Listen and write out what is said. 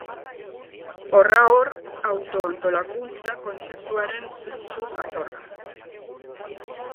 Horra hor autoantolakuntza kontzeptuaren zentzu jatorra.